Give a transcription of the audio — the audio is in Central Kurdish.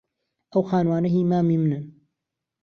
ئەو خانووانە هیی مامی منن.